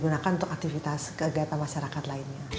gunakan untuk aktivitas kegiatan masyarakat lainnya